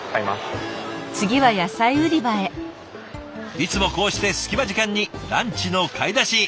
いつもこうして隙間時間にランチの買い出し。